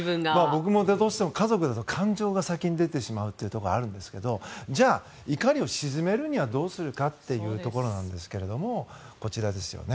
僕もどうしても、家族だと感情が先に出てしまうところがあるんですがじゃあ、怒りを鎮めるにはどうするかというところですがこちらですよね。